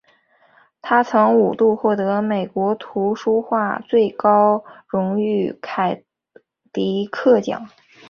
他曾经五度获得美国图画书最高荣誉凯迪克奖。